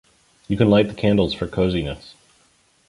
You can light the candles for coziness.